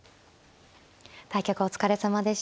対局お疲れさまでした。